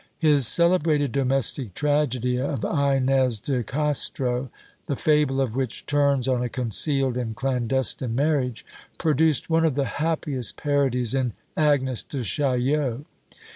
His celebrated domestic tragedy of Inez de Castro, the fable of which turns on a concealed and clandestine marriage, produced one of the happiest parodies in Agnes de Chaillot.